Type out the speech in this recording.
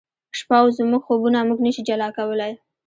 شپه او زموږ خوبونه موږ نه شي جلا کولای